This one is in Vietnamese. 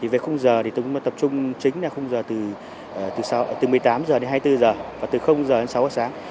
về khung giờ thì tôi cũng tập trung chính là khung giờ từ một mươi tám h đến hai mươi bốn h và từ h đến sáu h sáng